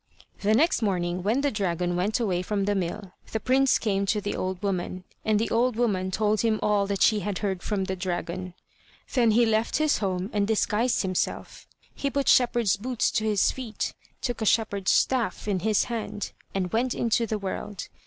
The next morning when the dragon went away from the mill, the prince came to the old woman, and the old woman told him all that she had heard from the dragon. Then he left his home, and disguised himself; he put shepherd's boots to his feet, took a shepherd's staff in his hand, and went into the world.